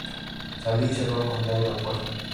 Salió y cerró con llave la puerta.